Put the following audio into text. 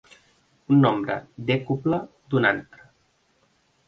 Un nombre dècuple d'un altre.